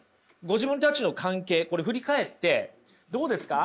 ご自分たちの関係これ振り返ってどうですか？